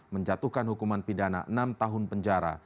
menjatuhkan hukuman pidana enam tahun penjara